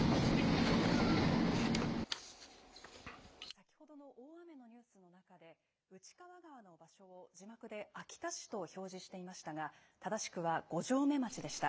先ほどの大雨のニュースの中で、内川川の場所を字幕で秋田市と表示していましたが、正しくは、五城目町でした。